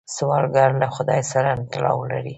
سوالګر له خدای سره تړاو لري